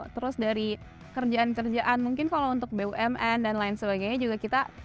terus dari kerjaan kerjaan mungkin kalau untuk bumn dan lain sebagainya juga kita